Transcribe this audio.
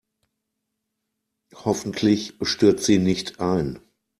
Hoffentlich stürzt sie nicht ein.